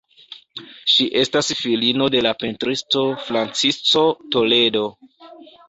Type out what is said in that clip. Ŝi estas filino de la pentristo Francisco Toledo.